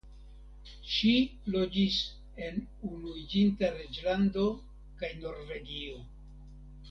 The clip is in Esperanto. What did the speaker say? Ŝi loĝis en Unuiĝinta Reĝlando kaj Norvegio.